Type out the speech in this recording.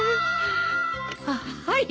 ああはい！